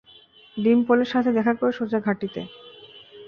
ডিম্পলের সাথে দেখা করে সোজা ঘাঁটিতে।